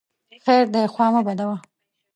خیر دی خوا مه بدوه !